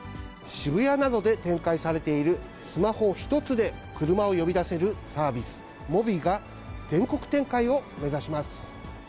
渋谷などで展開されている、スマホ１つで車を呼び出せるサービス、モビが、全国展開を目指します。